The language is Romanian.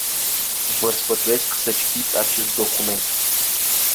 Vă sfătuiesc să citiți acest document.